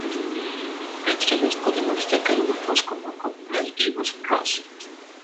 Entre ellos podemos destacar grupos como Coldplay o Guns 'n' Roses.